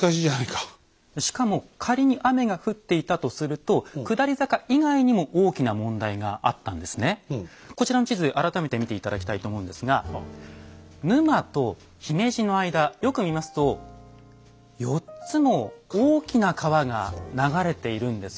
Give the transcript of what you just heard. しかも仮に雨が降っていたとするとこちらの地図改めて見て頂きたいと思うんですが沼と姫路の間よく見ますと４つも大きな川が流れているんです。